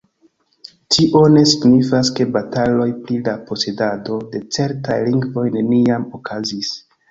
Tio ne signifas ke bataloj pri la posedado de certaj lingvoj neniam okazis